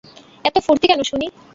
এত ফুর্তি কেন শুনি?